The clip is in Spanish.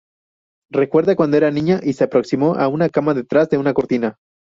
Recuerda cuando era niña y se aproximó a una cama detrás de una cortina.